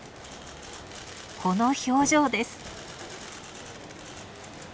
［この表情です］